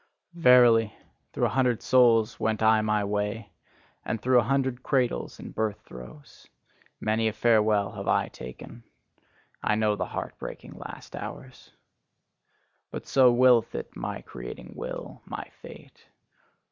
Verily, through a hundred souls went I my way, and through a hundred cradles and birth throes. Many a farewell have I taken; I know the heart breaking last hours. But so willeth it my creating Will, my fate.